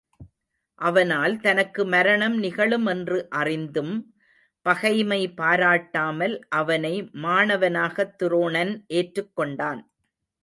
அவனால் தனக்கு மரணம் நிகழும் என்று அறிந்தும் பகைமை பாராட்டாமல் அவனை மாணவனாகத் துரோணன் ஏற்றுக் கொண்டான்.